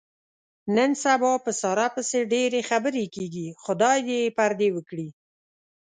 نن سبا په ساره پسې ډېرې خبرې کېږي. خدای یې دې پردې و کړي.